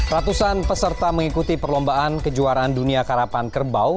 ratusan peserta mengikuti perlombaan kejuaraan dunia karapan kerbau